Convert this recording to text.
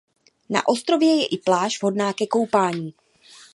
Na ostrově je i pláž vhodná ke koupání.